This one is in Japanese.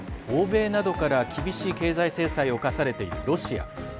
欧米などから、厳しい経済制裁を科されているロシア。